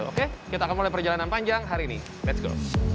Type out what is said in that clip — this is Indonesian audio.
oke kita akan mulai perjalanan panjang hari ini let's go